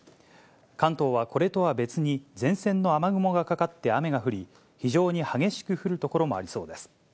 関東は、これとは別に、前線の雨雲がかかって雨が降り、非常に激しく降る所もありそうです。